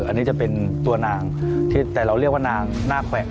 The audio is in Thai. อันนี้จะเป็นตัวนางที่แต่เราเรียกว่านางหน้าแขวะ